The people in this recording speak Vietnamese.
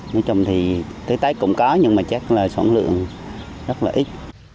nói chung thì tới tết cũng có nhưng mà chắc là sản lượng rất là ít